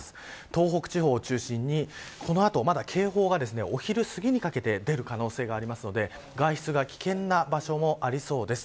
東北地方を中心にこの後、まだ警報がお昼すぎにかけて出る可能性があるので外出が危険な場所もありそうです。